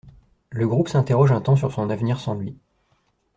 Le groupe s'interroge un temps sur son avenir sans lui.